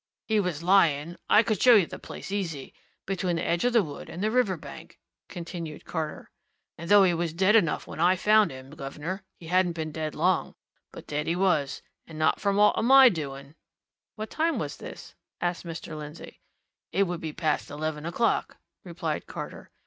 "He was lying I could show you the place, easy between the edge of the wood and the river bank," continued Carter. "And though he was dead enough when I found him, guv'nor, he hadn't been dead so long. But dead he was and not from aught of my doing." "What time was this?" asked Mr. Lindsey. "It would be past eleven o'clock," replied Carter.